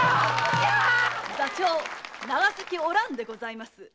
座長・長崎おらんでございます。